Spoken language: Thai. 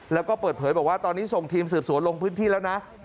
แล้วก็เปิดเผยบอกว่าตอนนี้ส่งทีมสืบสวนลงพื้นที่แล้วนะ